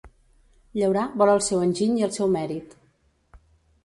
Llaurar vol el seu enginy i el seu mèrit.